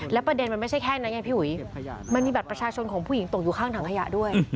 ประเด็นมันไม่ใช่แค่นั้นไงพี่อุ๋ยมันมีบัตรประชาชนของผู้หญิงตกอยู่ข้างถังขยะด้วย